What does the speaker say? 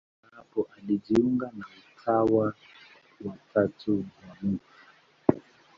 Kabla ya hapo alijiunga na Utawa wa Tatu wa Mt.